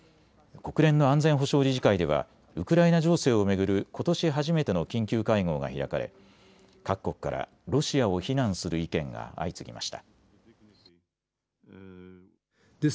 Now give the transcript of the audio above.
国連の安全保障理事会ではウクライナ情勢を巡ることし初めての緊急会合が開かれ各国からロシアを非難する意見が相次ぎました。